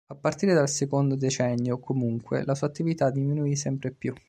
A partire dal secondo decennio, comunque, la sua attività diminuì sempre più.